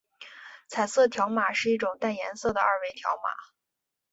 彩色条码是一种带颜色的二维条码。